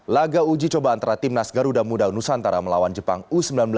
laga uji coba antara timnas garuda muda nusantara melawan jepang u sembilan belas